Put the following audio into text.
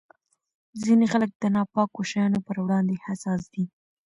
ځینې خلک د ناپاکو شیانو پر وړاندې حساس دي.